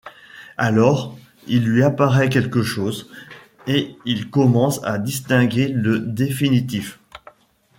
Alors il lui apparaît quelque chose, et il commence à distinguer le définitif.